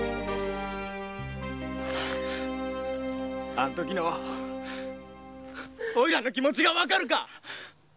あんときのおいらの気持ちがわかるか！